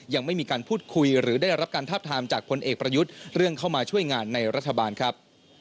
ยังไม่มีการพูดคุยหรือได้รับการทาบทามจากพลเอกประยุทธ์เรื่องเข้ามาช่วยงานในรัฐบาลครับ